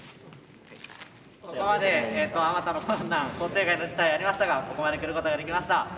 ここまであまたの困難想定外の事態ありましたがここまで来ることができました。